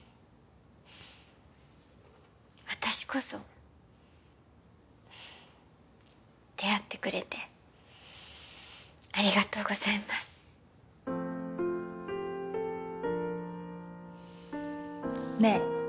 私こそ出会ってくれてありがとうございますねえ